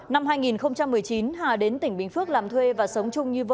năm hai nghìn một mươi chín hà đến tỉnh bình phước làm thuê và sống chung như vợ